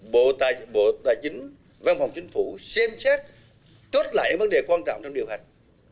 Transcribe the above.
bộ tài chính văn phòng chính phủ xem xét chốt lại vấn đề quan trọng trong điều hành